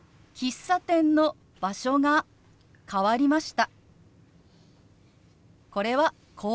「喫茶店の場所が変わりました」。